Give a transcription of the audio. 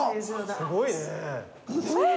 すごいね。